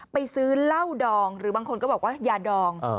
ไปซื้อเหล้าดองหรือบางคนก็บอกว่ายาดอง